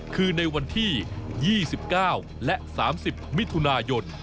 คือในวันที่๒๙และ๓๐มิถุนายน